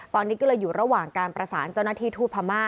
ตอนนี้ก็เลยอยู่ระหว่างการประสานเจ้าหน้าที่ทูตพม่า